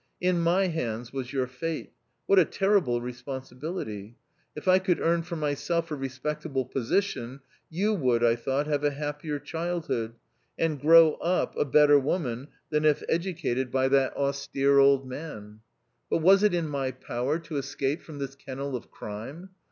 In my hands was your fate ; what a terrible responsibility! If I could earn for myself a respectable position you would, I thought, have a happier childhood, and grow up a better woman than if educated by that 226 THE OUTCAST. austere old man. But was it in my power to escape from this kennel of crime